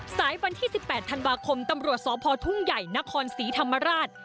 สายวันที่สิบแปดธันวาคมตำรวจสอบพอทุ่งใหญ่นครศรีธรรมราช